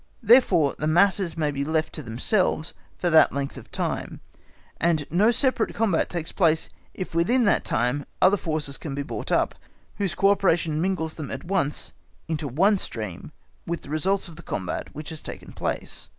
Therefore the masses may be left to themselves for that length of time, and no separate combat takes place if within that time other forces can be brought up, whose co operation mingles then at once into one stream with the results of the combat which has taken place.